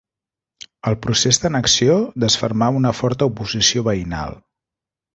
El procés d'annexió desfermà una forta oposició veïnal.